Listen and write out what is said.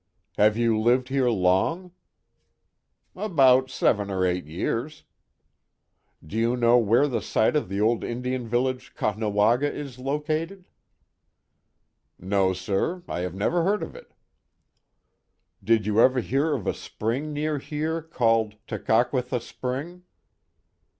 *'Have you lived here long ?"*' About seven or eight years/* " Do you know where the site of the old Indian village, Caughnawaga, is located?'* No, sir, I never heard of it." '* Did you ever hear of a spring near here called Tekakvvitha spring